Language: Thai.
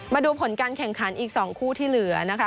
มาดูผลการแข่งขันอีก๒คู่ที่เหลือนะคะ